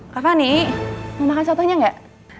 kak fanny mau makan fotonya gak